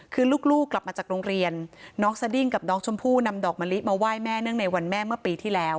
คือลูกกลับมาจากโรงเรียนน้องสดิ้งกับน้องชมพู่นำดอกมะลิมาไหว้แม่เนื่องในวันแม่เมื่อปีที่แล้ว